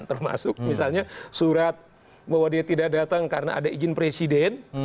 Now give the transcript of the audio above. termasuk misalnya surat bahwa dia tidak datang karena ada izin presiden